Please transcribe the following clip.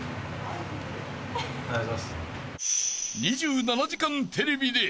［『２７時間テレビ』で］